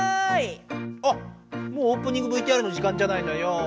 あっもうオープニングＶＴＲの時間じゃないのよ。